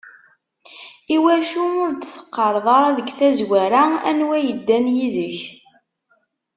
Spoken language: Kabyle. Iwacu ur d-teqqareḍ ara deg tazwara anwa yeddan yid-k?